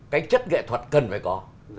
cái chất nghệ thuật cần phải có